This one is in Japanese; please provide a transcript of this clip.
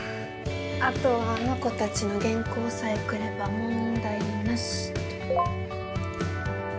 あとはあの子たちの原稿さえ来れば問題なしと。